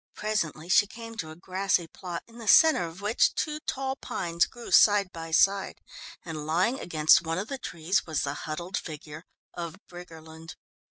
Presently she came to a grassy plot, in the centre of which two tall pines grew side by side, and lying against one of the trees was the huddled figure of Briggerland.